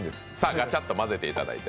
ガチャッと混ぜていただいて。